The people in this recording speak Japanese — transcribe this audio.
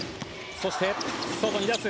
そして外に出す。